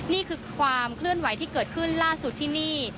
นี่คือความเคลื่อนไหวที่เกิดขึ้นล่าสุดที่นี่